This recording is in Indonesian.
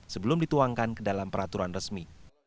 sebelum dituangkan ke dalam peraturan resmi